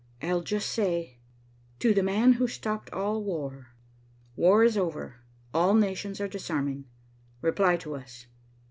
"I'll just say, 'To the man who stopped all war. War is over. All nations are disarming. Reply to us.